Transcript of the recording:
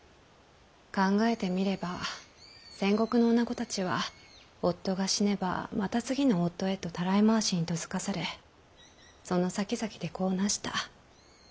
考えてみれば戦国の女子たちは夫が死ねばまた次の夫へとたらい回しに嫁がされそのさきざきで子をなした。